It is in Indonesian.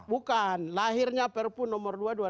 bukan lahirnya perpu nomor dua dua ribu tujuh belas